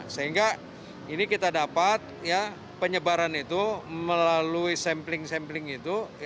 sehingga ini kita dapat penyebaran itu melalui sampling sampling itu